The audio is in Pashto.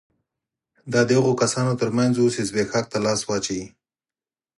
دا د هغو کسانو ترمنځ وو چې زبېښاک ته لاس واچوي